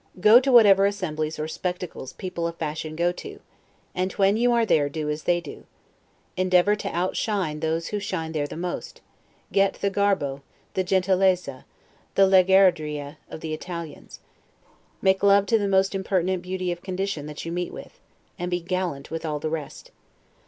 Go to whatever assemblies or SPECTACLES people of fashion go to, and when you are there do as they do. Endeavor to outshine those who shine there the most, get the 'Garbo', the 'Gentilezza', the 'Leggeadria' of the Italians; make love to the most impertinent beauty of condition that you meet with, and be gallant with all the rest.